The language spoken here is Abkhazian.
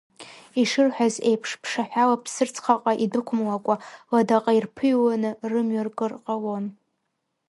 Ишырҳәаз еиԥш ԥшаҳәала Ԥсырӡхаҟа идәықәымлакәа, ладаҟа ирԥыҩланы рымҩа ркыр ҟалон.